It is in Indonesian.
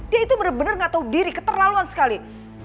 dia itu bener bener gak tau diri keterlaluan sekali